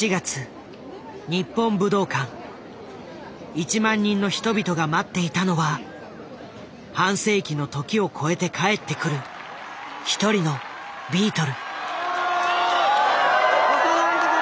１万人の人々が待っていたのは半世紀の時を超えて帰ってくる１人のビートル。